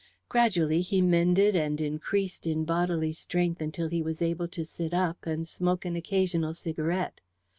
Gradually he mended and increased in bodily strength until he was able to sit up, and smoke an occasional cigarette.